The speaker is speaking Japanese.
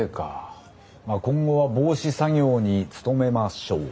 まあ今後は防止作業に努めましょう。